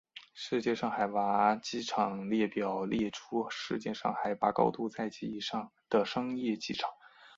世界最高海拔机场列表列出世界上海拔高度在及以上的商业机场。